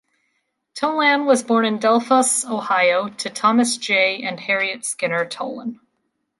Tolan was born in Delphos, Ohio to Thomas J. and Harriet Skinner Tolan.